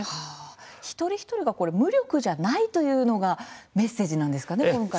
一人一人が無力じゃないというのがメッセージなんですかね。